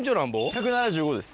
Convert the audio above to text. １７５です。